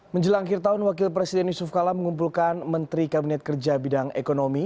menjelang akhir tahun wakil presiden yusuf kala mengumpulkan menteri kabinet kerja bidang ekonomi